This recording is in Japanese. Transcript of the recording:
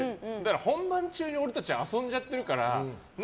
本番中に俺たちは遊んじゃってるから。